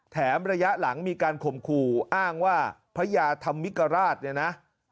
แถมระยะหลังมีการข่มขู่อ้างว่าพระยาธรรมิกราชเนี่ยนะ